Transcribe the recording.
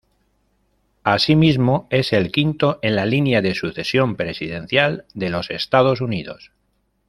Asimismo, es el quinto en la línea de sucesión presidencial de los Estados Unidos.